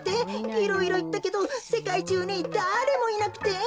いろいろいったけどせかいじゅうにだれもいなくて。